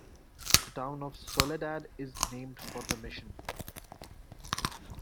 The town of Soledad is named for the mission.